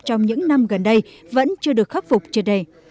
trong những năm gần đây vẫn chưa được khắc phục trước đây